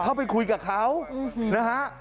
เข้าไปคุยกับเขานะฮะ